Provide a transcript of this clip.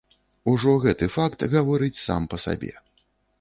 Ужо гэты факт гаворыць сам па сабе.